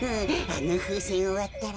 あのふうせんをわったら。